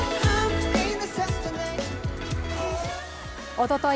おととい